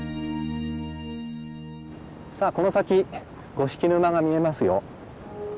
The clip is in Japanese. さあこの先五色沼が見えますよ。